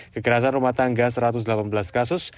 kekerasan rumah tangga satu ratus delapan belas kasus